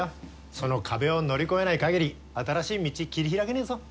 その壁を乗り越えないかぎり新しい道切り開けねえぞ。